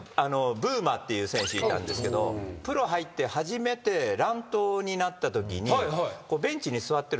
ブーマーっていう選手いたんですけどプロ入って初めて乱闘になったときにベンチに座ってるとですね